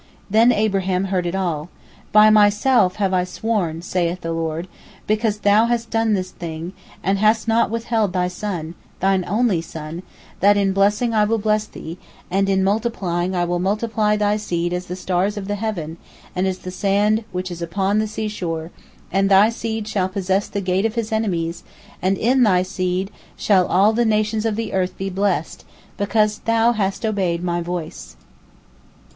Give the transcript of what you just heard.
" Then Abraham heard it said: "By Myself have I sworn, saith the Lord, because thou hast done this thing, and hast not withheld thy son, thine only son, that in blessing I will bless thee, and in multiplying I will multiply thy seed as the stars of the heaven, and as the sand which is upon the sea shore; and thy seed shall possess the gate of his enemies, and in thy seed shall all the nations of the earth be blessed, because thou hast obeyed My voice."